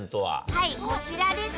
はいこちらです。